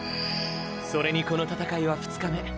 それにこの闘いは２日目